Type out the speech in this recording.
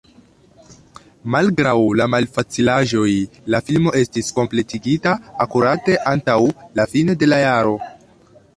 Malgraŭ la malfacilaĵoj, la filmo estis kompletigita akurate antaŭ la fino de la jaro.